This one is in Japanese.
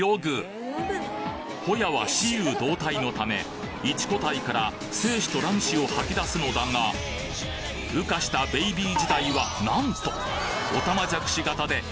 ホヤは雌雄同体のため１個体から精子と卵子を吐き出すのだが孵化したベイビー時代はなんと！